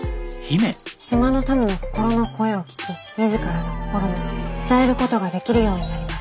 島の民の心の声を聞き自らの心も伝えることができるようになりました。